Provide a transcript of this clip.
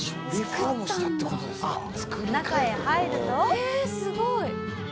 ええすごい！